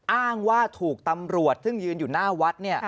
อ้างว่าถูกตำรวจซึ่งยืนอยู่หน้าวัด